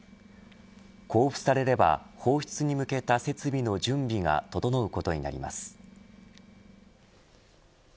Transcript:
交付されれば放出に向けた設備の準備が整うことになります。